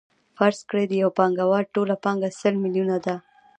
فرض کړئ د یو پانګوال ټوله پانګه سل میلیونه ده